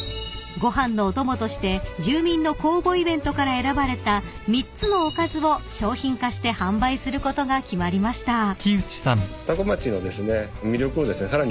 ［ご飯のお供として住民の公募イベントから選ばれた３つのおかずを商品化して販売することが決まりました］